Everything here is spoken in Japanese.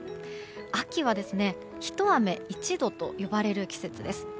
秋は一雨一度と呼ばれる季節です。